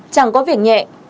chẳng có việc nhẹ